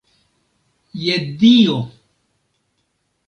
Je Dio!